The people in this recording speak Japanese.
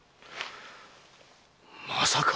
まさか！